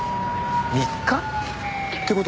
３日？って事は。